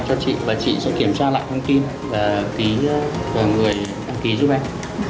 cho chị và chị sẽ kiểm tra lại thông tin và ký vào người đăng ký giúp em